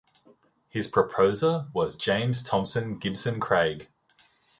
His proposer was James Thomson Gibson Craig.